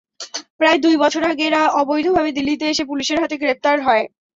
প্রায় দুই বছর আগে এরা অবৈধভাবে দিল্লিতে এসে পুলিশের হাতে গ্রেপ্তার হয়।